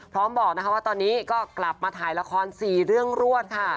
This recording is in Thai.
บอกนะคะว่าตอนนี้ก็กลับมาถ่ายละคร๔เรื่องรวดค่ะ